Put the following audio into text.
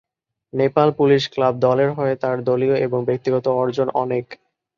Nepal police club দলের হয়ে তার দলীয় এবং ব্যক্তিগত অর্জন অনেক।